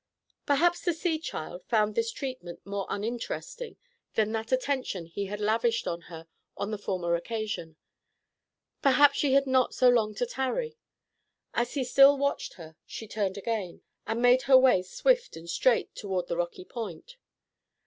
Perhaps the sea child found this treatment more uninteresting than that attention he had lavished on her on the former occasion; perhaps she had not so long to tarry. As he still watched her she turned again, and made her way swift and straight toward the rocky point.